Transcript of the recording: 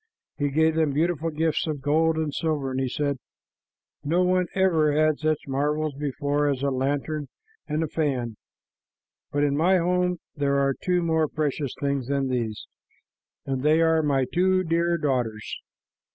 He gave them beautiful gifts of gold and silver, and he said, "No one ever had such marvels before as the lantern and the fan, but in my home there are two more precious things than these, and they are my two dear daughters."